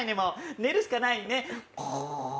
寝るしかないね、コーッ。